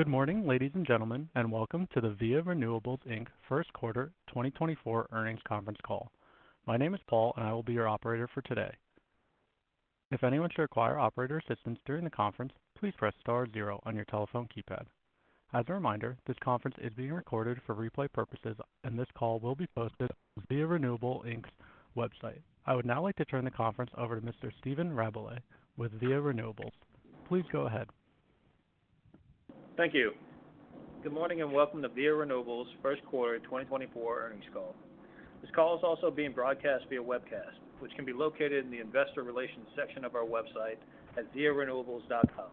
Good morning, ladies and gentlemen, and welcome to the Via Renewables Inc. first quarter 2024 earnings conference call. My name is Paul, and I will be your operator for today. If anyone should require operator assistance during the conference, please press star zero on your telephone keypad. As a reminder, this conference is being recorded for replay purposes, and this call will be posted on the Via Renewables, Inc. website. I would now like to turn the conference over to Mr. Stephen Rabalais with Via Renewables. Please go ahead. Thank you. Good morning and welcome to Via Renewables first quarter 2024 earnings call. This call is also being broadcast via webcast, which can be located in the investor relations section of our website at viarenewables.com.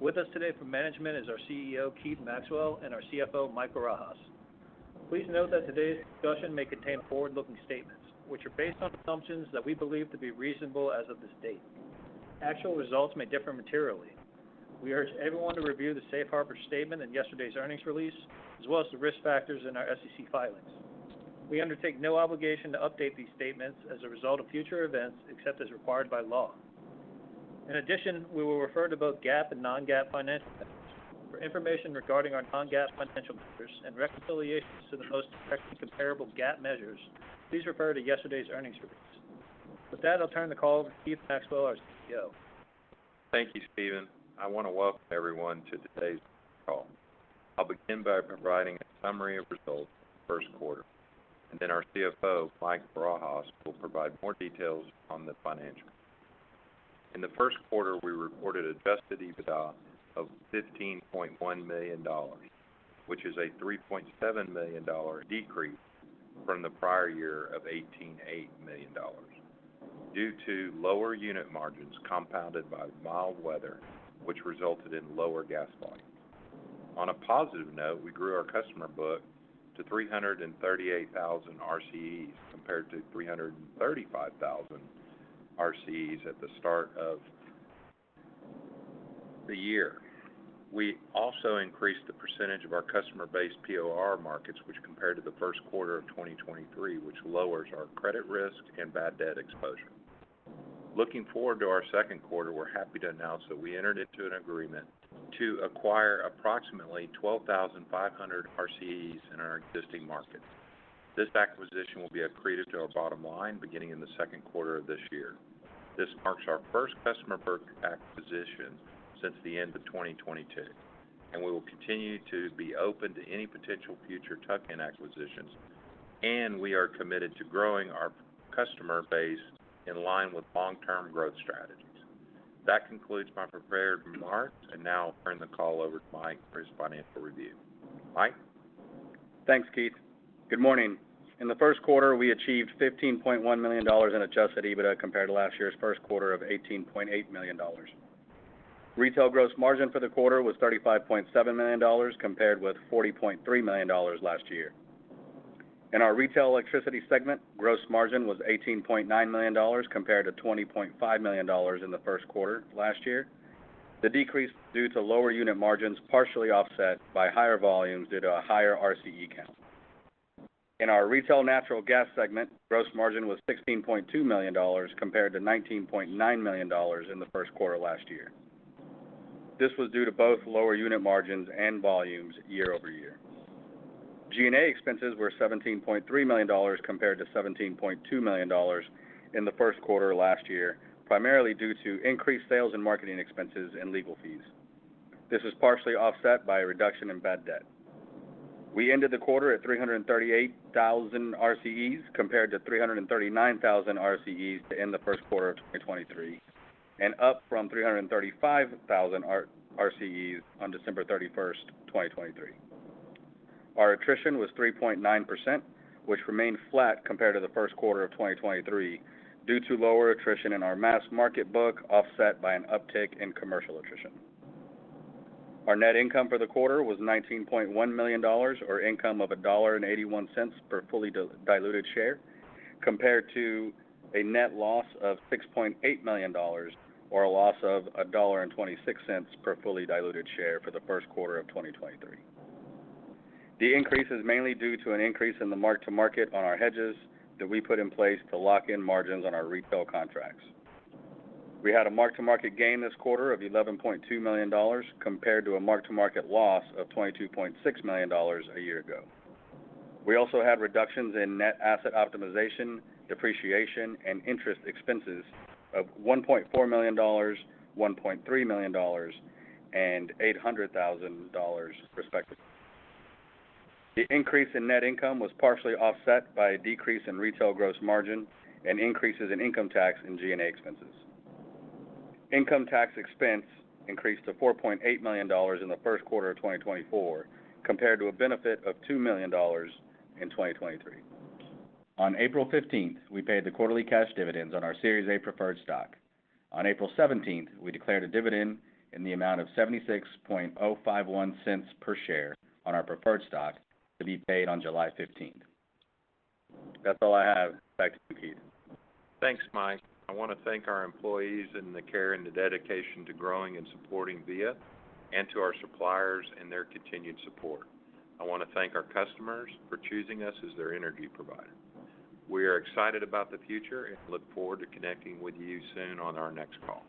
With us today from management is our CEO, Keith Maxwell, and our CFO, Mike Barajas. Please note that today's discussion may contain forward-looking statements, which are based on assumptions that we believe to be reasonable as of this date. Actual results may differ materially. We urge everyone to review the Safe Harbor statement and yesterday's earnings release, as well as the risk factors in our SEC filings. We undertake no obligation to update these statements as a result of future events except as required by law. In addition, we will refer to both GAAP and non-GAAP financial metrics. For information regarding our non-GAAP financial metrics and reconciliations to the most directly comparable GAAP measures, please refer to yesterday's earnings release. With that, I'll turn the call over to Keith Maxwell, our CEO. Thank you, Stephen. I want to welcome everyone to today's call. I'll begin by providing a summary of results for the first quarter, and then our CFO, Mike Barajas, will provide more details on the financials. In the first quarter, we reported adjusted EBITDA of $15.1 million, which is a $3.7 million decrease from the prior year of $18.8 million due to lower unit margins compounded by mild weather, which resulted in lower gas volumes. On a positive note, we grew our customer book to 338,000 RCEs compared to 335,000 RCEs at the start of the year. We also increased the percentage of our customer-based POR markets, which compared to the first quarter of 2023, which lowers our credit risk and bad debt exposure. Looking forward to our second quarter, we're happy to announce that we entered into an agreement to acquire approximately 12,500 RCEs in our existing market. This acquisition will be accretive to our bottom line beginning in the second quarter of this year. This marks our first customer book acquisition since the end of 2022, and we will continue to be open to any potential future tuck-in acquisitions, and we are committed to growing our customer base in line with long-term growth strategies. That concludes my prepared remarks, and now I'll turn the call over to Mike for his financial review. Mike? Thanks, Keith. Good morning. In the first quarter, we achieved $15.1 million in Adjusted EBITDA compared to last year's first quarter of $18.8 million. Retail gross margin for the quarter was $35.7 million compared with $40.3 million last year. In our retail electricity segment, gross margin was $18.9 million compared to $20.5 million in the first quarter last year, the decrease due to lower unit margins partially offset by higher volumes due to a higher RCE count. In our retail natural gas segment, gross margin was $16.2 million compared to $19.9 million in the first quarter last year. This was due to both lower unit margins and volumes year-over-year. G&A expenses were $17.3 million compared to $17.2 million in the first quarter last year, primarily due to increased sales and marketing expenses and legal fees. This was partially offset by a reduction in bad debt. We ended the quarter at 338,000 RCEs compared to 339,000 RCEs in the first quarter of 2023, and up from 335,000 RCEs on December 31st, 2023. Our attrition was 3.9%, which remained flat compared to the first quarter of 2023 due to lower attrition in our mass market book offset by an uptick in commercial attrition. Our net income for the quarter was $19.1 million or income of $1.81 per fully diluted share compared to a net loss of $6.8 million or a loss of $1.26 per fully diluted share for the first quarter of 2023. The increase is mainly due to an increase in the mark-to-market on our hedges that we put in place to lock in margins on our retail contracts. We had a mark-to-market gain this quarter of $11.2 million compared to a mark-to-market loss of $22.6 million a year ago. We also had reductions in net asset optimization, depreciation, and interest expenses of $1.4 million, $1.3 million, and $800,000, respectively. The increase in net income was partially offset by a decrease in retail gross margin and increases in income tax and G&A expenses. Income tax expense increased to $4.8 million in the first quarter of 2024 compared to a benefit of $2 million in 2023. On April 15th, we paid the quarterly cash dividends on our Series A preferred stock. On April 17th, we declared a dividend in the amount of $0.7605 per share on our preferred stock to be paid on July 15th. That's all I have. Back to you, Keith. Thanks, Mike. I want to thank our employees and the care and the dedication to growing and supporting Via, and to our suppliers and their continued support. I want to thank our customers for choosing us as their energy provider. We are excited about the future and look forward to connecting with you soon on our next call.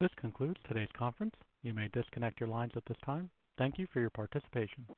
This concludes today's conference. You may disconnect your lines at this time. Thank you for your participation.